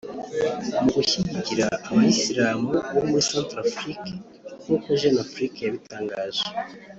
mu gushyigikira Abayisilamu bo muri Centrafrique nk’uko Jeune Afrique yabitangaje